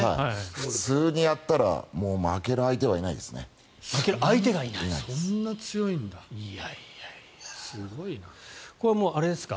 普通にやったら負ける相手はいないですね。